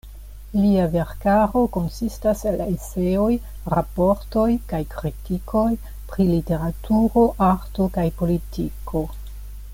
Lia verkaro konsistas el eseoj, raportoj kaj kritikoj pri literaturo, arto kaj politiko.